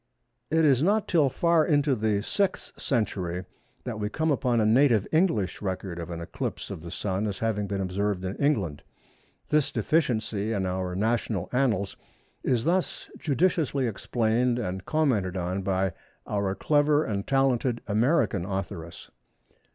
It is not till far into the 6th century that we come upon a native English record of an eclipse of the Sun as having been observed in England. This deficiency in our national annals is thus judiciously explained and commented on by our clever and talented American authoress.